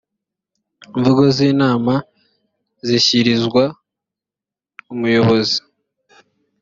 mvugo z inama zishyirizwa umuyobozi